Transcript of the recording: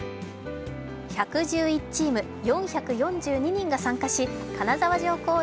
１１１チーム４４２人が参加し、金沢城公園